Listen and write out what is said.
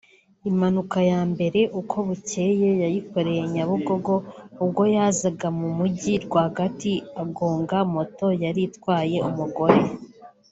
Impanuka ya mbere Ukobucyeye yayikoreye Nyabugogo ubwo yazaga mu mujyi rwagati agonga Moto yari itwaye umugore